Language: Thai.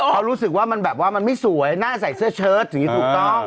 เขารู้สึกว่ามันแบบว่ามันไม่สวยน่าใส่เสื้อเชิดอย่างนี้ถูกต้อง